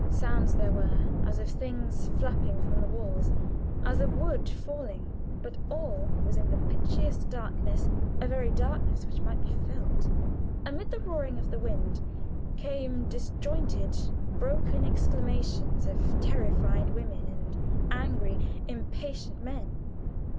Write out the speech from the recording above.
Sounds there were as of things flapping from the walls, as of wood falling; but all was in the pitchiest darkness a very "darkness which might be felt." Amid the roar of the wind came disjointed, broken exclamations of terrified women and angry, impatient men.